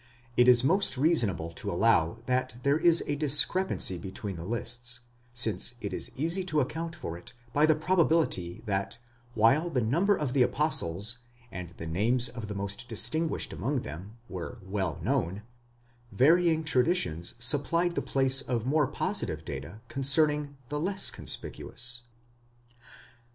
It is the most reasonable to allow that there is a discrepancy between the lists, since it is easy to account for it by the probability that while the number of the apostles, and the names of the most distinguished among them, were well known, varying traditions supplied the place of more positive data concerning the less conspicuous.